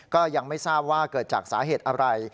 ก็ยังไม่ทราบว่าเกิดจากสาเหตุอะไร